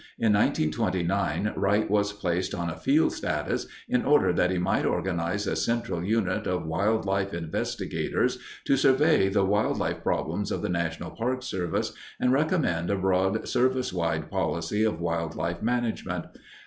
In 1929, Wright was placed on a field status in order that he might organize a central unit of wildlife investigators to survey the wildlife problems of the National Park Service and recommend a broad Service wide policy of wildlife management.